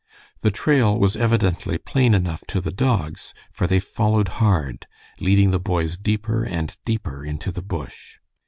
The trail was evidently plain enough to the dogs, for they followed hard, leading the boys deeper and deeper into the bush.